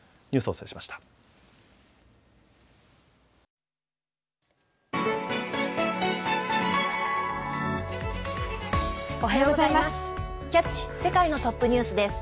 おはようございます。